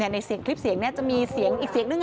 ในเสียงคลิปเสียงนี้จะมีเสียงอีกเสียงนึง